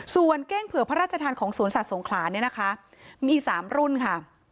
ส่วนเก้งเผื่อพระราชธรรมของสวนสัตว์สงขลามี๓รุ่นค่ะ